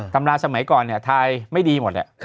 ตำราสมัยก่อนเนี่ยทายไม่ดีหมดเนี่ย